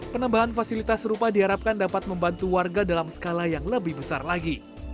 penambahan fasilitas serupa diharapkan dapat membantu warga dalam skala yang lebih besar lagi